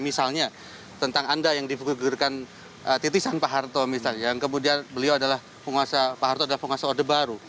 misalnya tentang anda yang digegurkan titisan pak harto misalnya yang kemudian beliau adalah penguasa pak harto adalah penguasa orde baru